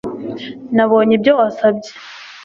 Nabonye ibyo wasabye